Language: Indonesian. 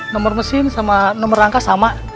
nomor mesin sama nomor rangka sama